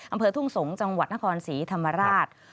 อำเภอทุ่งสงศ์จังหวัดนครศรีธรรมราช